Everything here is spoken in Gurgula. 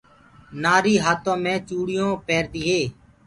نآريٚ هآتو مي چوڙِيونٚ پيرديٚ هي